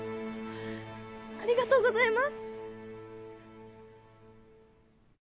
ありがとうございます。